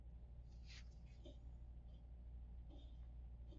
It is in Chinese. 波普拉德是位于斯洛伐克北部的一个城市。